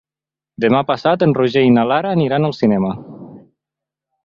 Demà passat en Roger i na Lara aniran al cinema.